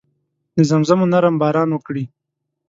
د زمزمو نرم باران وکړي